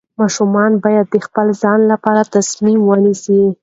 ماشوم باید د خپل ځان لپاره تصمیم ونیسي.